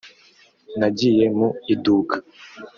nagiye mu iduka.